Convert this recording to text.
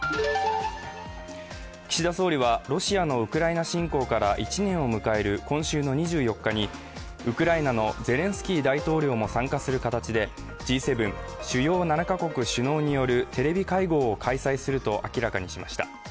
岸田総理はロシアのウクライナ侵攻から１年を迎える今週の２４日に、ウクライナのゼレンスキー大統領も参加する形でＧ７＝主要７か国首脳によるテレビ会合を開催すると明らかにしました。